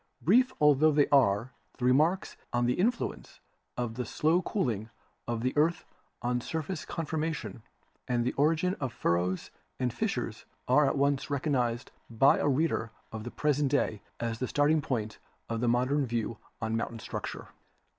Brief altho they are, the remarks on the influence of the slow cooling of the earth on surface conformation and the origin of furrows and fissures are at once recognised by a reader of the present day as the starting point of the modern views on moun tain structure.